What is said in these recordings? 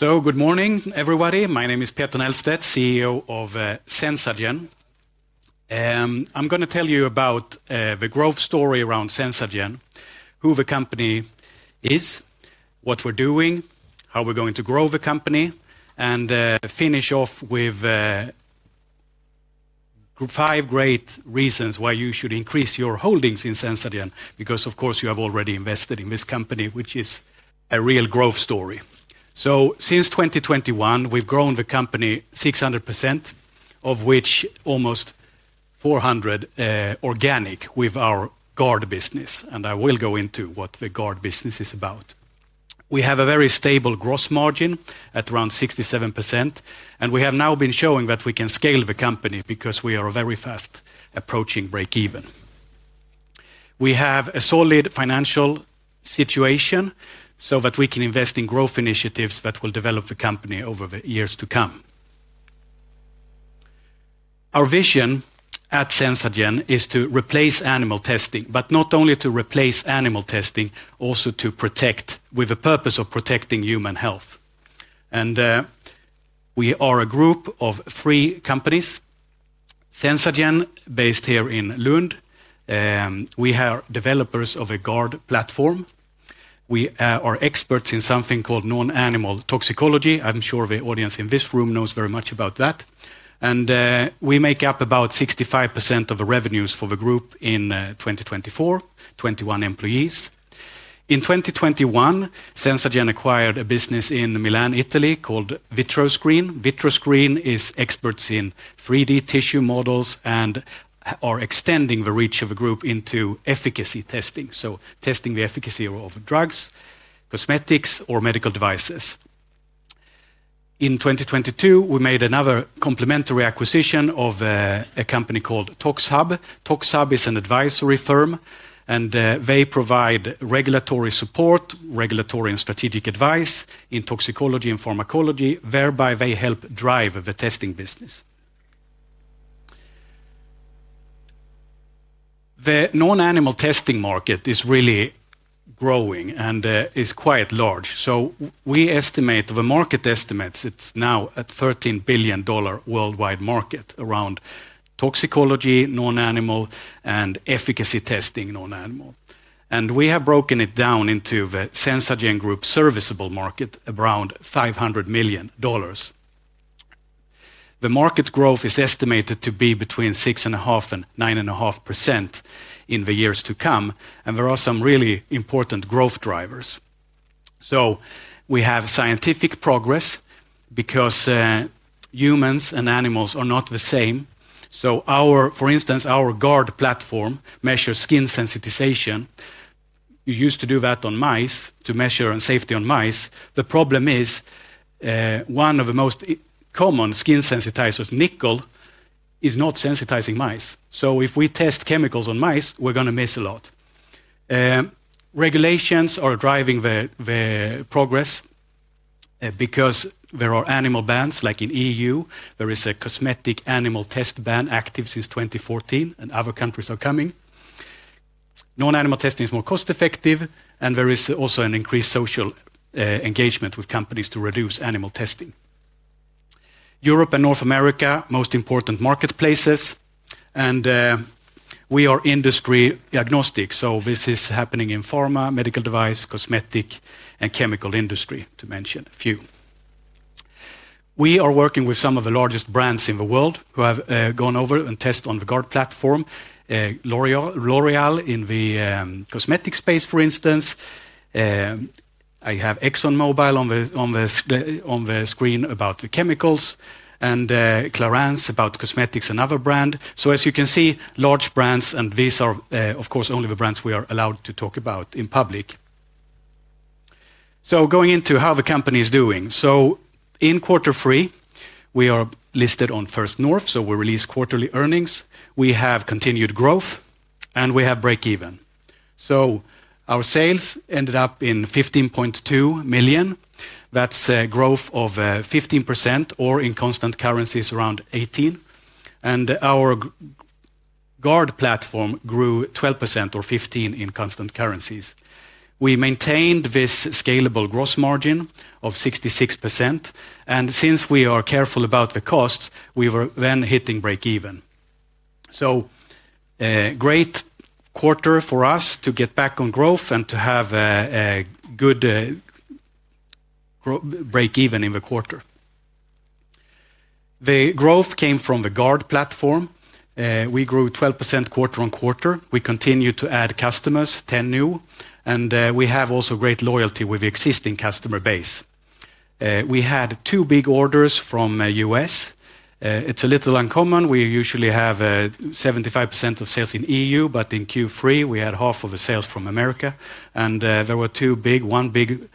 Good morning, everybody. My name is Peter Nahlstedt, CEO of SenzaGen. I'm going to tell you about the growth story around SenzaGen, who the company is, what we're doing, how we're going to grow the company, and finish off with five great reasons why you should increase your holdings in SenzaGen, because, of course, you have already invested in this company, which is a real growth story. Since 2021, we've grown the company 600%, of which almost 400% organic with our GARD business, and I will go into what the GARD business is about. We have a very stable gross margin at around 67%, and we have now been showing that we can scale the company because we are very fast approaching break-even. We have a solid financial situation so that we can invest in growth initiatives that will develop the company over the years to come. Our vision at SenzaGen is to replace animal testing, but not only to replace animal testing, also to protect with the purpose of protecting human health. We are a group of three companies: SenzaGen, based here in Lund; we have developers of a GARD platform; we are experts in something called non-animal toxicology. I'm sure the audience in this room knows very much about that. We make up about 65% of the revenues for the group in 2024, 21 employees. In 2021, SenzaGen acquired a business in Milan, Italy, called VitroScreen. VitroScreen is experts in 3D tissue models and are extending the reach of the group into efficacy testing, so testing the efficacy of drugs, cosmetics, or medical devices. In 2022, we made another complementary acquisition of a company called ToxHub. ToxHub is an advisory firm, and they provide regulatory support, regulatory and strategic advice in toxicology and pharmacology, whereby they help drive the testing business. The non-animal testing market is really growing and is quite large, so we estimate the market estimates it's now at $13 billion worldwide market around toxicology, non-animal, and efficacy testing non-animal. We have broken it down into the SenzaGen group serviceable market around $500 million. The market growth is estimated to be between 6.5% and 9.5% in the years to come, and there are some really important growth drivers. We have scientific progress because humans and animals are not the same. For instance, our GARD platform measures skin sensitization. We used to do that on mice to measure safety on mice. The problem is one of the most common skin sensitizers, nickel, is not sensitizing mice. If we test chemicals on mice, we're going to miss a lot. Regulations are driving the progress because there are animal bans, like in the EU, there is a cosmetic animal test ban active since 2014, and other countries are coming. Non-animal testing is more cost-effective, and there is also an increased social engagement with companies to reduce animal testing. Europe and North America are the most important marketplaces, and we are industry agnostic, so this is happening in pharma, medical device, cosmetic, and chemical industry, to mention a few. We are working with some of the largest brands in the world who have gone over and tested on the GARD platform: L'Oréal in the cosmetic space, for instance. I have ExxonMobil on the screen about the chemicals, and Clarins about cosmetics and other brands. As you can see, large brands, and these are, of course, only the brands we are allowed to talk about in public. Going into how the company is doing, in quarter three, we are listed on First North, so we release quarterly earnings. We have continued growth, and we have break-even. Our sales ended up in 15.2 million. That is a growth of 15%, or in constant currencies, around 18%. Our GARD platform grew 12% or 15% in constant currencies. We maintained this scalable gross margin of 66%, and since we are careful about the costs, we were then hitting break-even. Great quarter for us to get back on growth and to have a good break-even in the quarter. The growth came from the GARD platform. We grew 12% quarter-on-quarter. We continue to add customers, 10 new, and we have also great loyalty with the existing customer base. We had two big orders from the U.S. It's a little uncommon. We usually have 75% of sales in the EU, but in Q3, we had half of the sales from America. There were two big: one big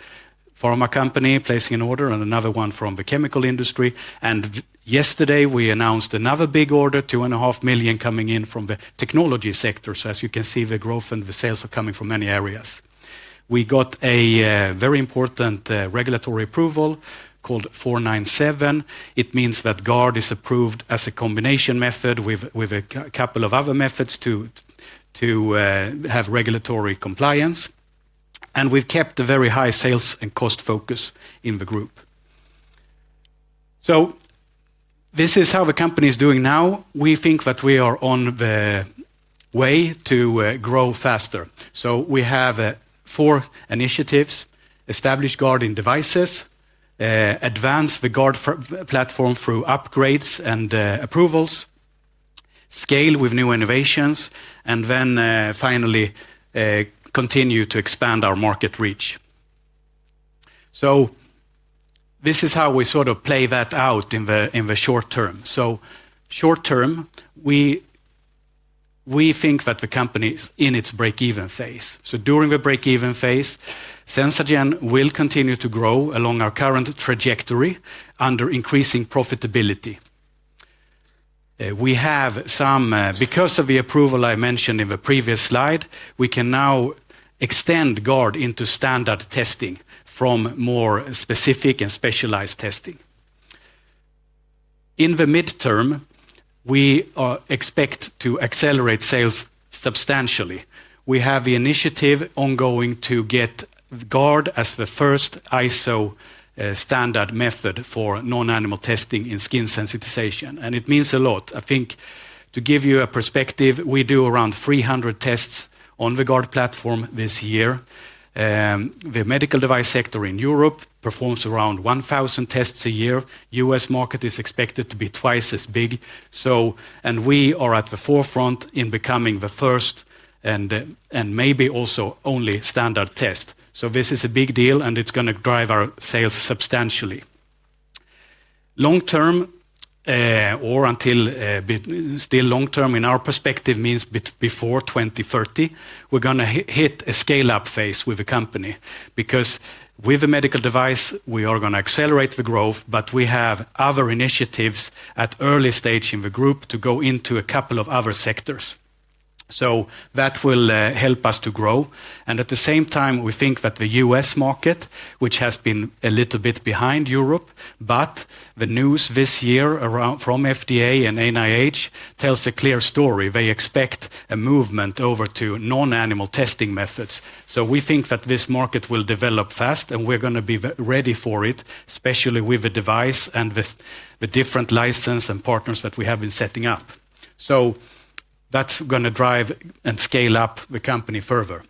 pharma company placing an order and another one from the chemical industry. Yesterday, we announced another big order, $2.5 million coming in from the technology sector. As you can see, the growth and the sales are coming from many areas. We got a very important regulatory approval called OECD TG 497. It means that GARD is approved as a combination method with a couple of other methods to have regulatory compliance. We've kept a very high sales and cost focus in the group. This is how the company is doing now. We think that we are on the way to grow faster. We have four initiatives: establish guarding devices, advance the GARD platform through upgrades and approvals, scale with new innovations, and then finally continue to expand our market reach. This is how we sort of play that out in the short term. Short term, we think that the company is in its break-even phase. During the break-even phase, SenzaGen will continue to grow along our current trajectory under increasing profitability. We have some, because of the approval I mentioned in the previous slide, we can now extend GARD into standard testing from more specific and specialized testing. In the midterm, we expect to accelerate sales substantially. We have the initiative ongoing to get GARD as the first ISO standard method for non-animal testing in skin sensitization, and it means a lot. I think to give you a perspective, we do around 300 tests on the GARD platform this year. The medical device sector in Europe performs around 1,000 tests a year. The U.S. market is expected to be twice as big. We are at the forefront in becoming the first and maybe also only standard test. This is a big deal, and it's going to drive our sales substantially. Long term, or still long term in our perspective, means before 2030, we're going to hit a scale-up phase with the company because with the medical device, we are going to accelerate the growth, but we have other initiatives at early stage in the group to go into a couple of other sectors. That will help us to grow. At the same time, we think that the U.S. market, which has been a little bit behind Europe, but the news this year from FDA and NIH tells a clear story. They expect a movement over to non-animal testing methods. We think that this market will develop fast, and we're going to be ready for it, especially with the device and the different license and partners that we have been setting up. That's going to drive and scale up the company further.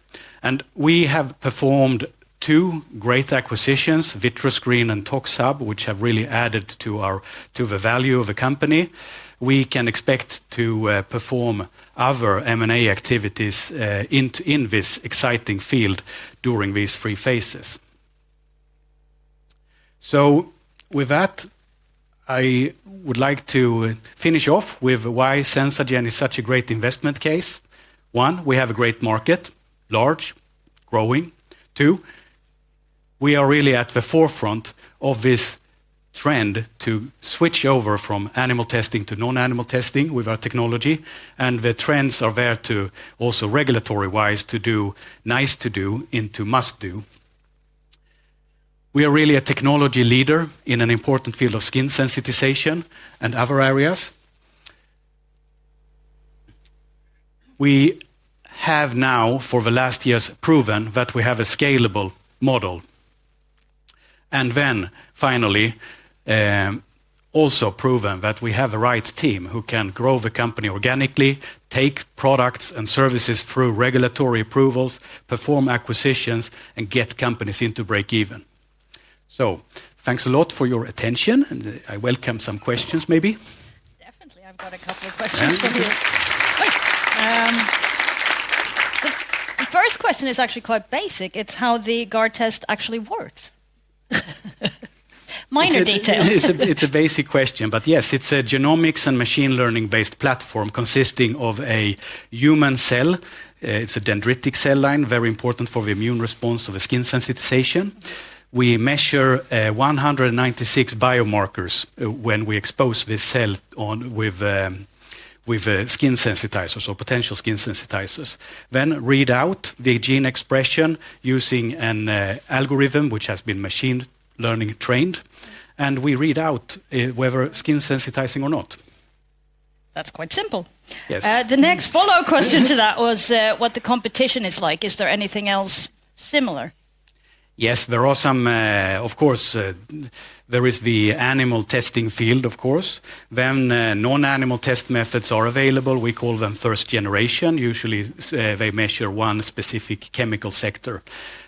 We have performed two great acquisitions, VitroScreen and ToxHub, which have really added to the value of the company. We can expect to perform other M&A activities in this exciting field during these three phases. With that, I would like to finish off with why SenzaGen is such a great investment case. One, we have a great market, large, growing. Two, we are really at the forefront of this trend to switch over from animal testing to non-animal testing with our technology, and the trends are there also regulatory-wise to do nice to do into must do. We are really a technology leader in an important field of skin sensitization and other areas. We have now, for the last years, proven that we have a scalable model. Finally, also proven that we have the right team who can grow the company organically, take products and services through regulatory approvals, perform acquisitions, and get companies into break-even. Thanks a lot for your attention, and I welcome some questions, maybe. Definitely. I've got a couple of questions for you. The first question is actually quite basic. It's how the GARD test actually works. Minor details. It's a basic question, but yes, it's a genomics and machine learning-based platform consisting of a human cell. It's a dendritic cell line, very important for the immune response of a skin sensitization. We measure 196 biomarkers when we expose this cell with skin sensitizers or potential skin sensitizers. We then read out the gene expression using an algorithm which has been machine learning trained, and we read out whether skin sensitizing or not. That's quite simple. Yes. The next follow-up question to that was what the competition is like. Is there anything else similar? Yes, there are some, of course. There is the animal testing field, of course. Then non-animal test methods are available. We call them first generation. Usually, they measure one specific chemical sector.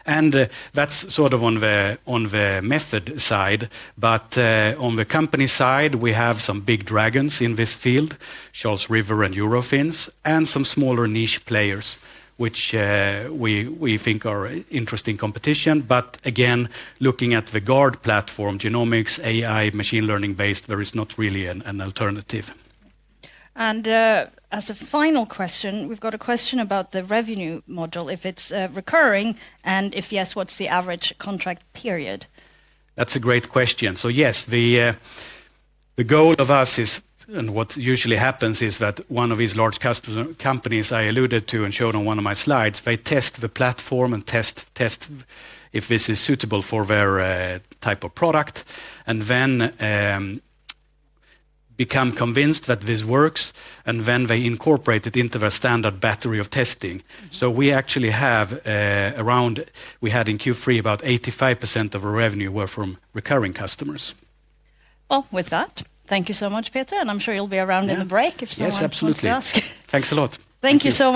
And that's sort of on the method side. On the company side, we have some big dragons in this field, Charles River and Eurofins, and some smaller niche players, which we think are interesting competition. Again, looking at the GARD platform, genomics, AI, machine learning-based, there is not really an alternative. As a final question, we've got a question about the revenue model. If it's recurring, and if yes, what's the average contract period? That's a great question. Yes, the goal of us is, and what usually happens is that one of these large companies I alluded to and showed on one of my slides, they test the platform and test if this is suitable for their type of product, and then become convinced that this works, and then they incorporate it into their standard battery of testing. We actually have around, we had in Q3 about 85% of our revenue were from recurring customers. Thank you so much, Peter, and I'm sure you'll be around in the break if someone else wants to ask. Yes, absolutely. Thanks a lot. Thank you so much.